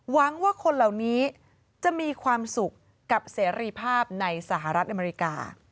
หวังว่าคนเหล่านี้จะมีความสุขกับเสรีภาพในสหรัฐอเมริกา